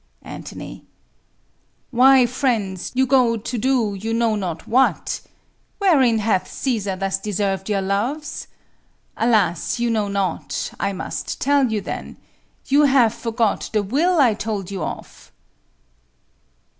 Ant. Why, friends, you go to do you know not what. Wherein hath Cæsar thus deserv'd your loves? Alas! you know not! I must tell you then. You have forgot the will I told you of.